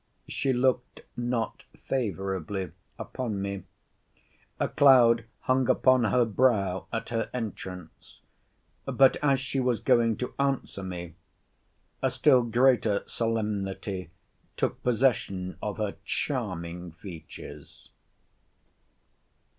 She looked not favourably upon me. A cloud hung upon her brow at her entrance: but as she was going to answer me, a still greater solemnity took possession of her charming features.